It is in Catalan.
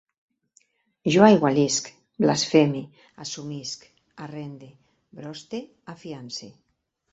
Jo aigualisc, blasfeme, assumisc, arrende, broste, afiance